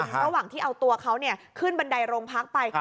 เมื่อหวังที่เอาตัวเขาเนี่ยขึ้นบันไดโรงพักไป